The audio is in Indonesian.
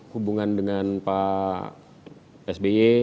hubungan dengan pak sby